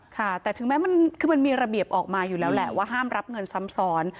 ค่ะแต่ถึงแม้มันคือมันมีระเบียบออกมาอยู่แล้วแหละว่าห้ามรับเงินซ้ำซ้อน